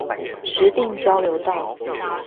石碇交流道